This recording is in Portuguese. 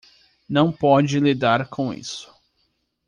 Não pode lidar com isso